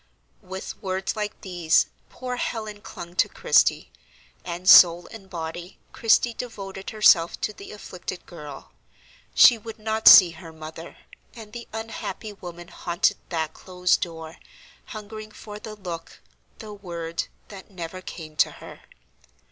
With words like these, poor Helen clung to Christie; and, soul and body, Christie devoted herself to the afflicted girl. She would not see her mother; and the unhappy woman haunted that closed door, hungering for the look, the word, that never came to her.